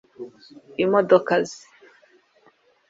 imodoka ze